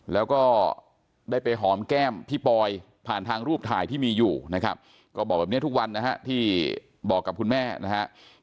แล้วก็ได้ไปหอมแก้มพี่ปอยผ่านทางรูปถ่ายที่มีอยู่นะครับก็บอกแบบนี้ทุกวันนะฮะที่บอกกับคุณแม่นะฮะ